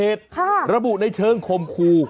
ค่ะสุดท้ายระบุในเชิงคมครู